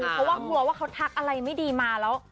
เพราะว่ากลัวว่าเขาทักอะไรไม่ดีมาแล้ว